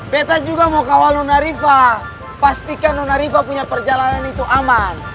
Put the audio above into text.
betta juga mau kawal nona riva pastikan nona riva punya perjalanan itu aman